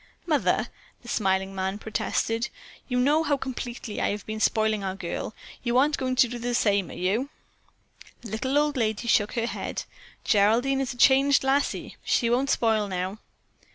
"Mother," the smiling man protested, "you know how completely I have been spoiling our girl. You aren't going to do the same thing, are you?" The little old lady shook her head. "Geraldine is a changed lassie. She won't spoil now."